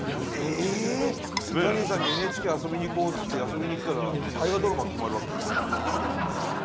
え⁉ジャニーさんに「ＮＨＫ遊びに行こう」って遊びに行ったら大河ドラマ決まるわけですから。